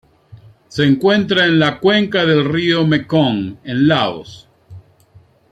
Se encuentra en la cuenca del río Mekong en Laos.